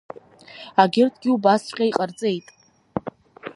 Агьырҭгьы убасҵәҟьа иҟарҵеит…